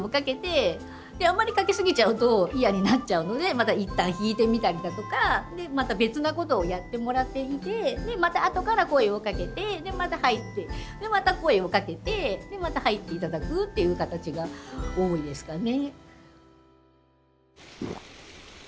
であんまりかけ過ぎちゃうと嫌になっちゃうのでまたいったん引いてみたりだとかでまた別なことをやってもらっていてでまたあとから声をかけてでまた入ってでまた声をかけてまた入って頂くっていう形が多いですかね。